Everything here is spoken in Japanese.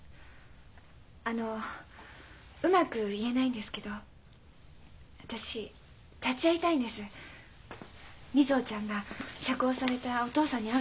あのうまく言えないんですけど私立ち会いたいんです瑞穂ちゃんが釈放されたお父さんに会うところに。